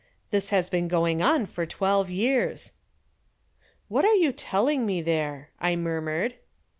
This has been going on for twelve years." "What are you telling me there?" I murmured.